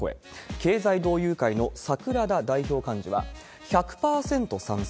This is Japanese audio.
経済同友会の櫻田代表幹事は、１００％賛成。